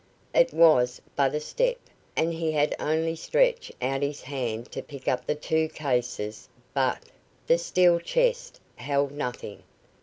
It was but a step, and he had only to stretch out his hand to pick up the two cases, but The steel chest held nothing.